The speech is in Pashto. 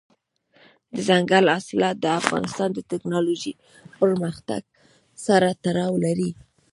دځنګل حاصلات د افغانستان د تکنالوژۍ پرمختګ سره تړاو لري.